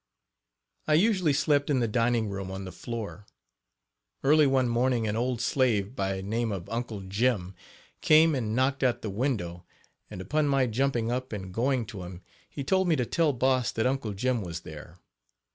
I usually slept in the dining room on the floor. Early one morning an old slave, by name of "Uncle Jim," came and knocked at the window, and upon my jumping up and going to him, he told me to tell Boss that Uncle Jim was there.